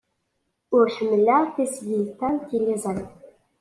Ur ḥemmleɣ tasgilt-a n tliẓri.